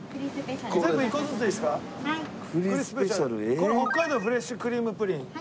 これ北海道フレッシュクリームプリン。